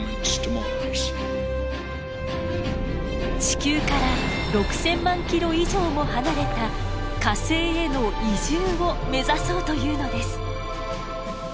地球から６，０００万キロ以上も離れた火星への移住を目指そうというのです。